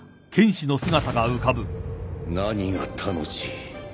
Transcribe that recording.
何が楽しい？